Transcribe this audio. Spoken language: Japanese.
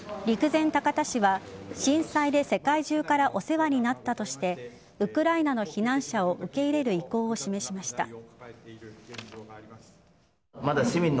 陸前高田市は震災で世界中からお世話になったとしてウクライナの避難者を受け入れる意向を示しました。